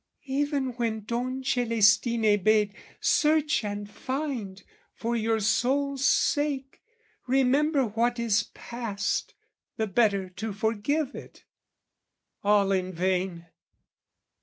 Even when Don Celestine bade "Search and find! "For your soul's sake, remember what is past, "The better to forgive it," all in vain!